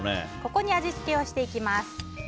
ここに味付けをしていきます。